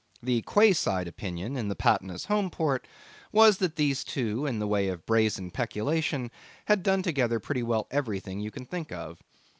The quay side opinion in the Patna's home port was that these two in the way of brazen peculation 'had done together pretty well everything you can think of.